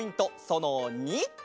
その２！